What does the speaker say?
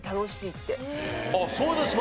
あっそうですか！